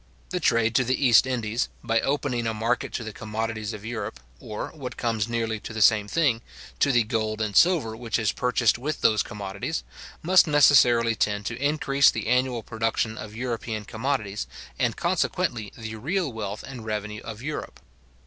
The trade to the East Indies, by opening a market to the commodities of Europe, or, what comes nearly to the same thing, to the gold and silver which is purchased with those commodities, must necessarily tend to increase the annual production of European commodities, and consequently the real wealth and revenue of Europe.